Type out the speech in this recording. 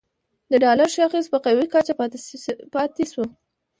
د ډالر شاخص په قوي کچه پاتې شو